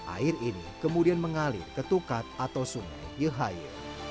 air ini kemudian mengalir ke tukat atau sungai yehaye